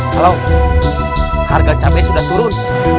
halo harga cabai sudah turun